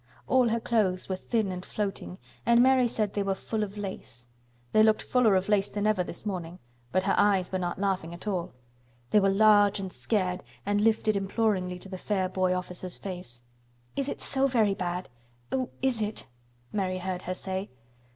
All her clothes were thin and floating, and Mary said they were "full of lace." They looked fuller of lace than ever this morning, but her eyes were not laughing at all. They were large and scared and lifted imploringly to the fair boy officer's face. "Is it so very bad? Oh, is it?" Mary heard her say.